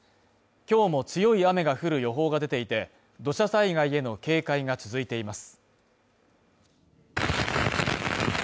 今日も強い雨が降る予報が出ていて、土砂災害への警戒が続いています。